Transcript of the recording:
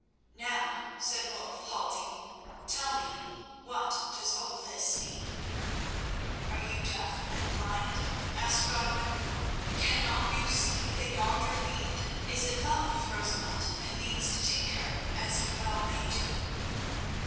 "Now," said Wulf, halting, "tell me what does all this mean?" "Are you deaf and blind?" asked Godwin. "Cannot you see that yonder fiend is in love with Rosamund, and means to take her, as he well may do?"